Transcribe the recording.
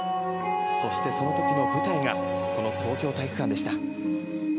そして、その時の舞台がこの東京体育館でした。